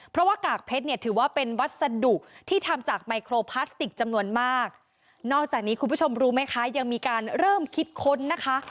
เพราะว่ากากเพชรเนี่ยถือว่าเป็นวัสดุที่ทำจากไมโครพลาสติกจำนวนมากนอกจากนี้คุณผู้ชมรู้ไหมคะยังมีการเริ่มคิดค้นนะคะ